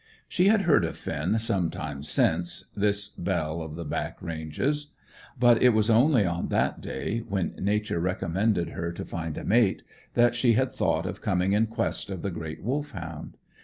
She had heard of Finn some time since, this belle of the back ranges, but it was only on that day, when Nature recommended her to find a mate, that she had thought of coming in quest of the great Wolfhound.